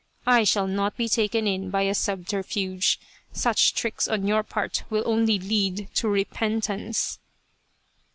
I shall not be taken in by a subterfuge. Such tricks on your part will only lead to repentance